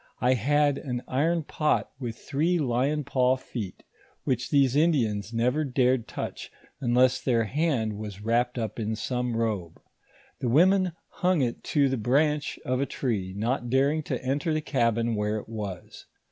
1 had an iron pot with three lion paw feet, which these Indians never dared touch, unless their hand was wrapped up in some robe. The women hung it to the branch of a tree, not daring tota^lter the cabin where it was.